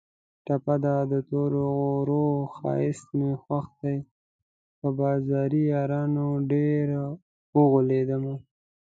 ټپه ده: د تورو غرو ښایست مې خوښ دی په بازاري یارانو ډېر اوغولېدمه